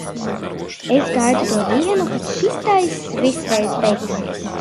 Es gaidu to dienu, kad šitais viss reiz beigsies.